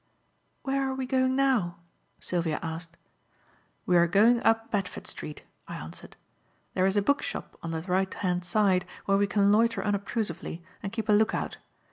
"Where are we going now?" Sylvia asked. "We are going up Bedford Street," I answered. "There is a book shop on the right hand side where we can loiter unobtrusively and keep a look out.